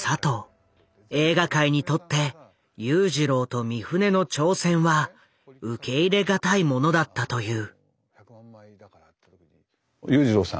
映画界にとって裕次郎と三船の挑戦は受け入れがたいものだったという。